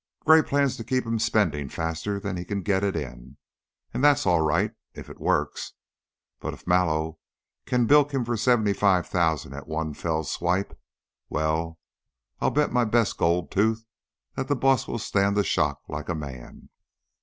Gray plans to keep him spending faster than he can get it in, and that's all right if it works, but if Mallow can bilk him for seventy five thousand at one fell swipe Well, I'll bet my best gold tooth that the boss will stand the shock like a man."